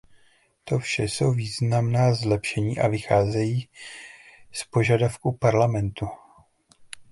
To vše jsou významná zlepšení a vycházejí z požadavků Parlamentu.